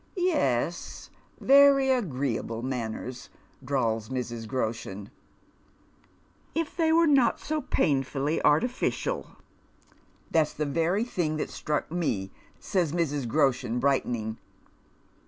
" Yc cs, very agreeable manners," drawls Mrs. Groshen. " If they were not so paiiiEuIly artificial." " That's the very tiling that struck me," says Mrs. Groshen, brightening.